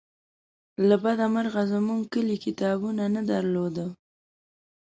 له بده مرغه زمونږ کلي کتابتون نه درلوده